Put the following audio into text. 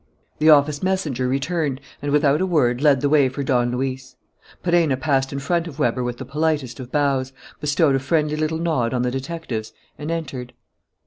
The office messenger returned and, without a word, led the way for Don Luis. Perenna passed in front of Weber with the politest of bows, bestowed a friendly little nod on the detectives, and entered.